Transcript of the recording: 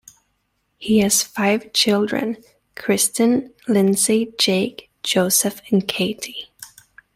He has five children: Kristin, Lindsey, Jake, Joseph and Katie.